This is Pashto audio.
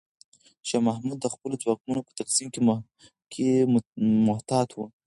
شاه محمود د خپلو ځواکونو په تقسیم کې محتاط و.